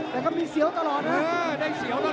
แต่ก็มีเสียวตลอดนะ